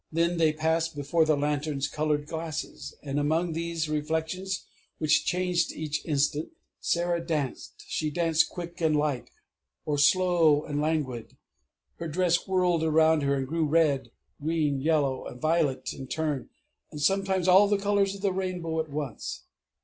Then they passed before the lanterns coloured glasses, and among these reflections, which changed each instant, Sarah danced.... She danced quick and light, or slow and languid; her dress whirled around her, and grew red green yellow and violet in turn and sometimes all the colours of the rainbow at once.